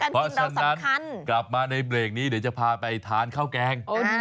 เพราะฉะนั้นกลับมาในเบรกนี้เดี๋ยวจะพาไปทานข้าวแกง